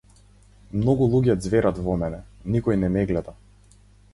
Многу луѓе ѕверат во мене, никој не ме гледа.